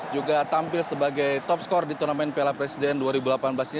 juga tampil sebagai top skor di turnamen piala presiden dua ribu delapan belas ini